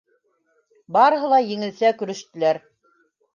Барыһы ла еңелсә көлөштөләр.